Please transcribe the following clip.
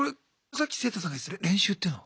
さっきセイタさんが言ってた練習っていうのは？